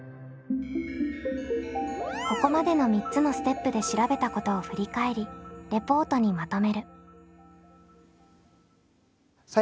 ここまでの３つのステップで調べたことを振り返りレポートにまとめる。